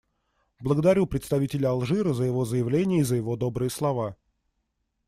Благодарю представителя Алжира за его заявление и за его добрые слова.